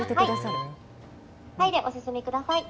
はいでお進みください。